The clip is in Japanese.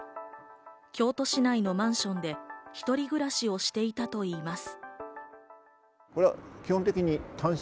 京都市内のマンションで一人暮らしをしていたといいます。